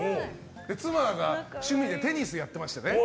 妻が趣味でテニスやってましてね